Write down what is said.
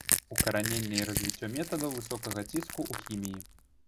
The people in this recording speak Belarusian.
Укараненне і развіццё метадаў высокага ціску ў хіміі.